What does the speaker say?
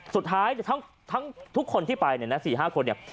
สุดท้ายทั้งทุกคนที่ไปเนี่ยนะ๔๕คนเนี่ย